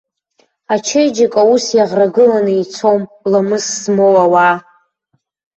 Ачеиџьыка ус иаӷрагыланы ицом ламыс змоу ауаа.